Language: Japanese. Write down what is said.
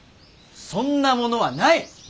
そんなものはない！